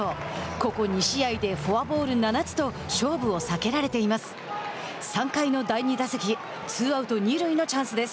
ここ２試合でフォアボール７つと勝負を避けられています。